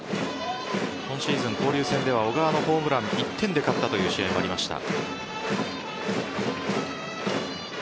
今シーズン、交流戦では小川のホームラン１点で勝った試合もありました。